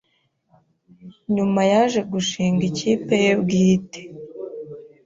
Nyuma yaje gushing ikipe ye bwite